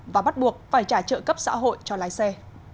và bắt buộc phải trả trợ cấp xã hội cho lái xe